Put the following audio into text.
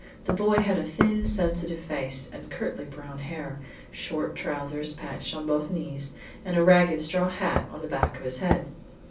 The boy had a thin sensitive face and curtly brown hair, short trousers patched on both knees, and a ragged straw hat on the back of his head.